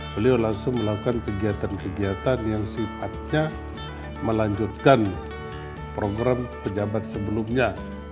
beliau langsung melakukan kegiatan kegiatan yang sifatnya melanjutkan program pejabat sebelumnya